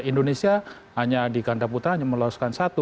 indonesia hanya di ganda putra hanya meloloskan satu